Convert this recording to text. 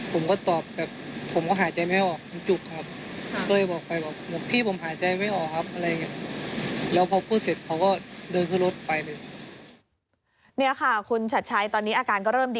ผมก็ตอบแบบผมก็หายใจไม่ออกคุณจุกครับ